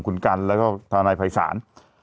คุณกัลแล้วทานายพายศาล